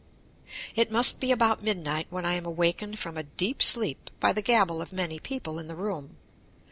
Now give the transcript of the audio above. It must be about midnight when I am awakened from a deep sleep by the gabble of many people in the room.